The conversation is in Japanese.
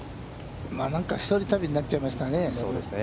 何か一人旅になっちゃいましたね。